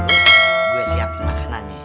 gue siapin makanannya